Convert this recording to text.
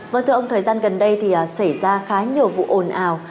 vâng thưa ông thời gian gần đây thì xảy ra khá nhiều vụ ồn ào